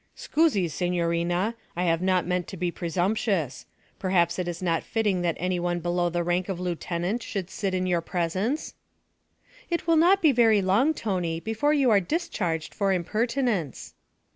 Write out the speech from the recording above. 'Scusi, signorina. I have not meant to be presumptious. Perhaps it is not fitting that any one below the rank of lieutenant should sit in your presence?' 'It will not be very long, Tony, before you are discharged for impertinence.'